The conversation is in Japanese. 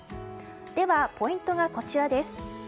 ではポイントがこちら。